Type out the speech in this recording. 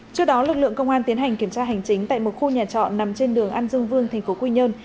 trước đó lực lượng công an tiến hành kiểm tra hành chính tại một khu nhà trọ nằm trên đường an dương vương tp quy nhơn